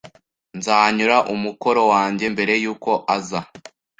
Nzanyura umukoro wanjye mbere yuko aza